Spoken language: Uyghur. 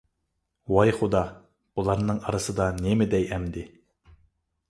ۋاي خۇدا، بۇلارنىڭ ئارىسىدا نېمە دەي ئەمدى؟ !